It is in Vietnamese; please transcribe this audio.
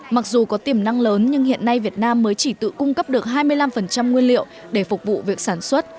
mặc dù có tiềm năng lớn nhưng hiện nay việt nam mới chỉ tự cung cấp được hai mươi năm nguyên liệu để phục vụ việc sản xuất